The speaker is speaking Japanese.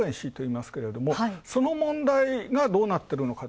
その問題がどうなっているのか。